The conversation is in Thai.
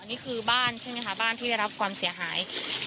นี่คือบ้านใช่ไหมคะบ้านที่ได้รับความเสียหาย